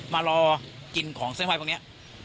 มารอกินของเส้นไหว้พวกนี้